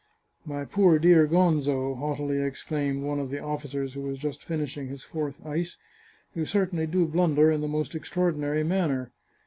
" My poor dear Gonzo," haughtily exclaimed one of the officers who was just finishing his fourth ice, " you certainly 521 The Chartreuse of Parma do blunder in the most extraordinary manner.